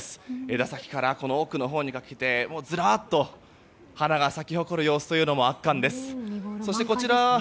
枝先から奥のほうにかけてずらっと花が咲き誇る様子も圧巻です。